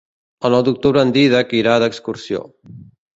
El nou d'octubre en Dídac irà d'excursió.